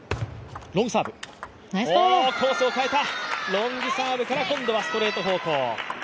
ロングサーブから今度はストレート方向。